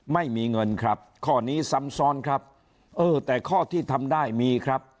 ไม่มีเงินครับข้อนี้ซ้ำซ้อนครับเออแต่ข้อที่ทำได้มีครับ